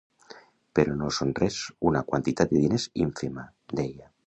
Però no són res, una quantitat de diners ínfima, deia.